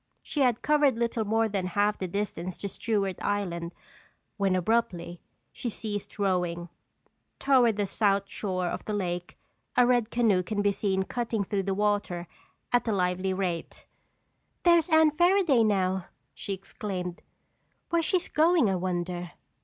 She had covered little more than half the distance to Stewart Island, when abruptly, she ceased rowing. Toward the south shore of the lake, a red canoe could be seen cutting through the water at a lively rate. "There's Anne Fairaday now!" she exclaimed. "Where's she going, I wonder?"